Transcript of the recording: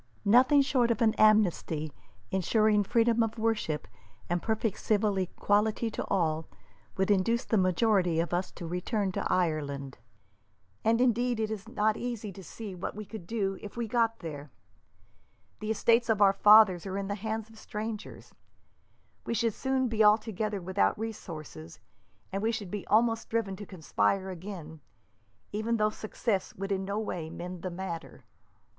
"Nothing short of an amnesty, ensuring freedom of worship, and perfect civil equality to all, would induce the majority of us to return to Ireland; and, indeed, it is not easy to see what we could do if we got there. The estates of our fathers are in the hands of strangers. We should soon be altogether without resources, and we should be almost driven to conspire again, even though success would in no way mend the matter.